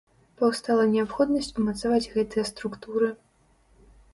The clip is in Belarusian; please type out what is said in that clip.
Паўстала неабходнасць умацаваць гэтыя структуры.